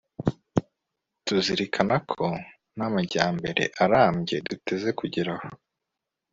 Tuzirikana ko nta majyambere arambye duteze kugeraho